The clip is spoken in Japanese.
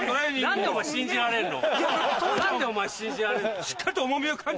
何で信じられんの？